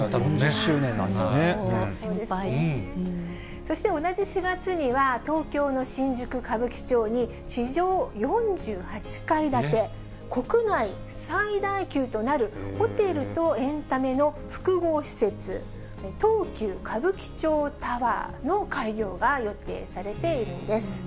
そして同じ４月には、東京の新宿・歌舞伎町に地上４８階建て、国内最大級となるホテルとエンタメの複合施設、東急歌舞伎町タワーの開業が予定されているんです。